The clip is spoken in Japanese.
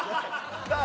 さあ